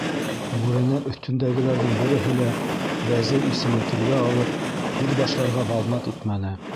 Бүрәнә өҫтөндәгеләрҙең береһе лә Вәзир исемен телгә алып һүҙ башларға баҙнат итмәне.